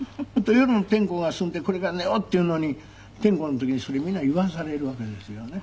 夜の点呼が済んでこれから寝ようっていうのに点呼の時にそれみんな言わされるわけですよね。